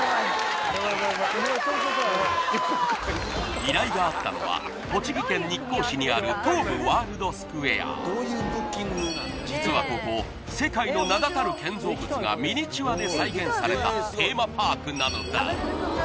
依頼があったのは栃木県日光市にある実はここ世界の名だたる建造物がミニチュアで再現されたテーマパークなのだ